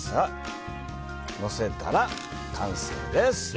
のせたら完成です。